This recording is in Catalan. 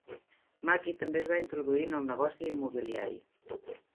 Mackie també es va introduir en el negoci immobiliari.